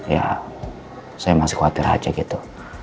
ya saya masih khawatir aja gitu